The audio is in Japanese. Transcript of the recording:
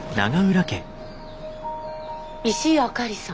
石井あかりさん。